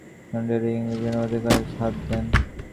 তিনি গ্রিক মহাকাব্য হোমারের ইলিয়াড এর ইংরেজি অনুবাদের কাজে হাত দেন।